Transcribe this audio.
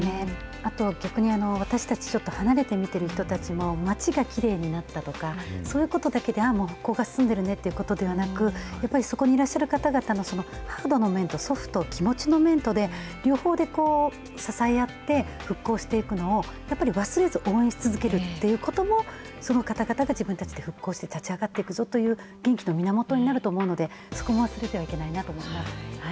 あと、逆に私たち、ちょっと離れて見てる人たちも、町がきれいになったとか、そういうことだけで、ああもう、復興が進んでるねということではなく、やっぱりそこにいらっしゃる方々のハードの面と、ソフト、気持ちの面とで、両方で支え合って復興していくのを、やっぱり忘れずに応援し続けるってことも、その方たちで復興して、立ち上がっていくぞという、元気の源になると思うので、そこも忘れてはいけないなと思います。